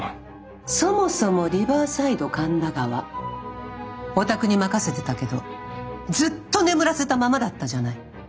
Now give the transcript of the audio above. そもそもリバーサイド神田川おたくに任せてたけどずっと眠らせたままだったじゃない。